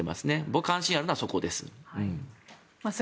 僕が関心があるのはそこです。